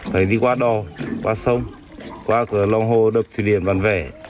phải đi qua đò qua sông qua lòng hồ đập thuyền bàn vẻ